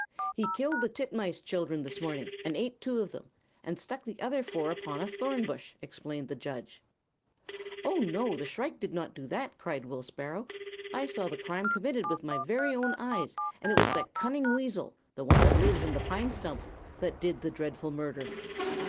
"'He killed the titmice children this morning, and ate two of them, and stuck the other four upon a thorn bush,' explained the judge. "'Oh, no; the shrike did not do that!' cried Will Sparrow. 'I saw the crime committed with my own eyes, and it was the cunning weasel the one that lives in the pine stump that did the dreadful murder.'